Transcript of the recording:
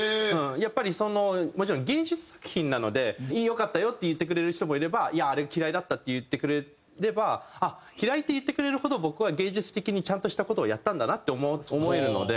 やっぱりそのもちろん芸術作品なので「良かったよ」って言ってくれる人もいれば「いやあれ嫌いだった」って言ってくれれば「嫌い」って言ってくれるほど僕は芸術的にちゃんとした事をやったんだなって思えるので。